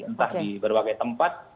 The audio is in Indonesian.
entah di berbagai tempat